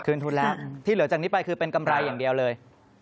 ทุนแล้วที่เหลือจากนี้ไปคือเป็นกำไรอย่างเดียวเลย